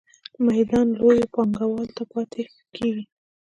میدان لویو پانګوالو ته پاتې کیږي.